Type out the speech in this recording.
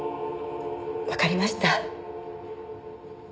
わかりました。